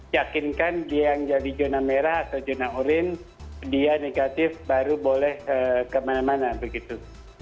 yakinkan dia yang jadi zona merah atau zona orange dia negatif baru boleh kemana mana begitu